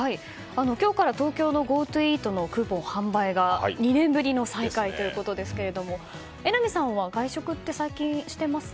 今日から東京のＧｏＴｏイートのクーポン販売が２年ぶりの再開ということですが榎並さんは外食って最近、してます？